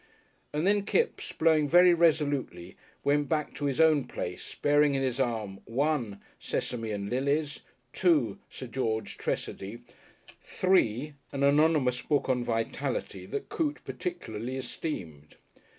And then Kipps, blowing very resolutely, went back to his own place, bearing in his arm (1) Sesame and Lilies, (2) Sir George Tressady, (3) an anonymous book on "Vitality" that Coote particularly esteemed.